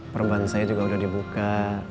perban saya juga sudah dibuka